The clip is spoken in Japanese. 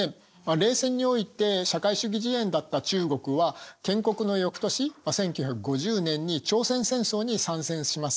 冷戦において社会主義陣営だった中国は建国のよくとし１９５０年に朝鮮戦争に参戦します。